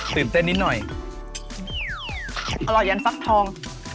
ตื่นเต้นนิดหน่อยอร่อยอย่างฟักทอง